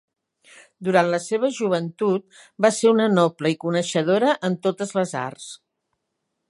Durant la seva joventut, va ser una noble i coneixedora en totes les arts.